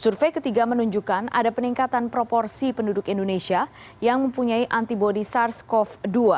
survei ketiga menunjukkan ada peningkatan proporsi penduduk indonesia yang mempunyai antibody sars cov dua